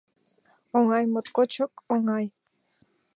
— Оҥай, моткочак оҥай.